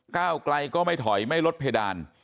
ก้าวไกลก็ไม่ถอยไม่ลดเพดาน